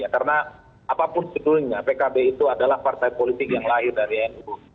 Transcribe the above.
karena apapun sebetulnya pkb itu adalah partai politik yang lahir dari nu